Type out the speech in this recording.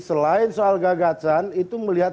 selain soal gagasan itu melihat